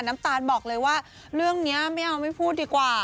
น้ำตาลบอกเลยว่าเรื่องนี้ไม่เอาไม่พูดดีกว่า